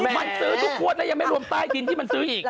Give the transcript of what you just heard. มันซื้อทุกคนนะยังไม่รวมไตน์อย่างที่มันซื้ออีก